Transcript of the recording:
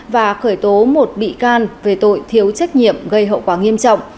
và khởi tố một bị can về tội thiếu trách nhiệm gây hậu quả nghiêm trọng